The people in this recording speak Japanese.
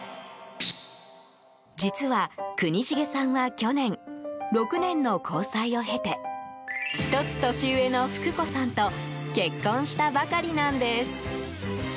実は、国重さんは去年、６年の交際を経て１つ年上の福子さんと結婚したばかりなんです。